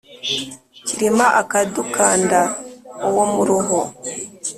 cyirima akadukanda uwo muruho.”